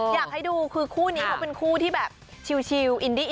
อยากให้ดูคือคู่นี้เขาเป็นคู่ที่แบบชิลอินดี้